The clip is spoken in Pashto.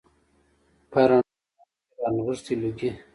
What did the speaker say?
په رڼاګانو کې رانغښي لوګي